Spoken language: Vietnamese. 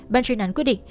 ban chuyên án quyết định